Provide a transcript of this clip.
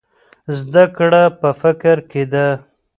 زده کړه په فکر کې ده.